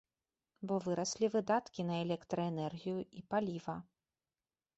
Бо выраслі выдаткі на электраэнергію і паліва.